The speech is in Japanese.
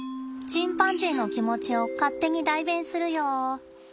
チンパンジーの気持ちを勝手に代弁するよ。